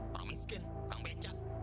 kamu miskin tukang beca